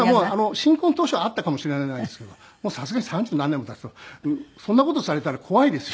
新婚当初はあったかもしれないですけどさすがに三十何年も経つとそんな事されたら怖いですよ。